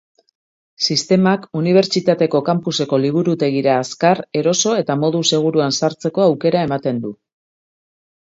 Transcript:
Sistemak unibertsitateko campuseko liburutegira azkar, eroso eta modu seguruan sartzeko aukera ematen du.